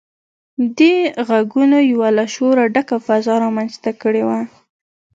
دې غږونو يوه له شوره ډکه فضا رامنځته کړې وه.